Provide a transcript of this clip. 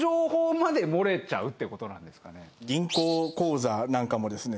銀行口座なんかもですね